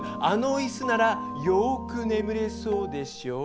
あの椅子ならよく眠れそうでしょう？